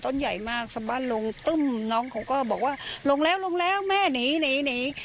ใหญ่มากสบั้นลงตึ้มน้องเขาก็บอกว่าลงแล้วลงแล้วแม่หนีหนี